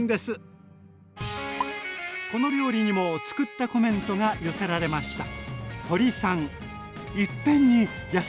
この料理にも作ったコメントが寄せられました。